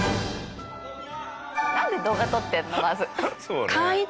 なんで動画撮ってるの？